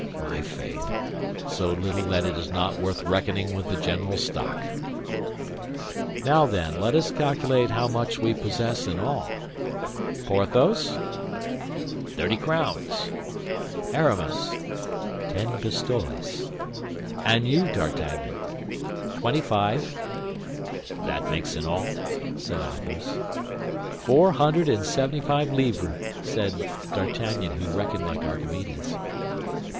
"My faith! So little that it is not worth reckoning with the general stock." "Now, then, let us calculate how much we posses in all." "Porthos?" "Thirty crowns." "Aramis?" "Ten pistoles." "And you, D'Artagnan?" "Twenty five." "That makes in all?" said Athos. "Four hundred and seventy five livres," said D'Artagnan, who reckoned like Archimedes.